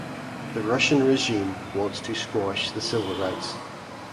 The Russian regime wants to squash the civil rights.